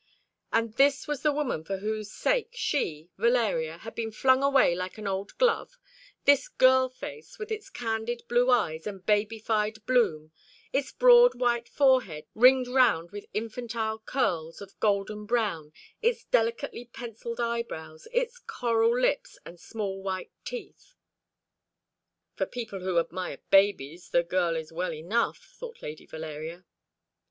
And this was the woman for whose sake she, Valeria, had been flung away like an old glove this girl face, with its candid blue eyes and babified bloom, its broad white forehead ringed round with infantile curls of golden brown, its delicately pencilled eyebrows, its coral lips, and small white teeth. "For people who admire babies the girl is well enough," thought Lady Valeria.